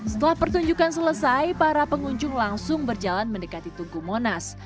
setelah pertunjukan selesai para pengunjung langsung berjalan mendekati tungku monas